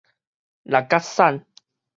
六角散